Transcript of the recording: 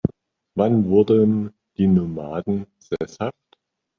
Wann wurden die Nomaden sesshaft?